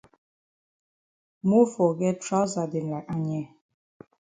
Mofor get trousa dem like Anye.